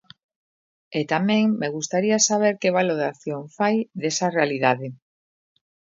E tamén me gustaría saber que valoración fai desa realidade.